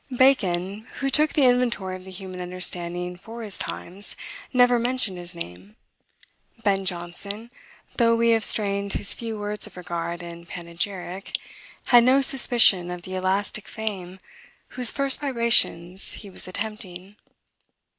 Bacon, who took the inventory of the human understanding for his times, never mentioned his name. Ben Jonson, though we have strained his few words of regard and panegyric, had no suspicion of the elastic fame whose first vibrations he was attempting.